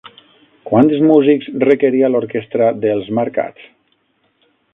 Quants músics requeria l'orquestra d'Els marcats?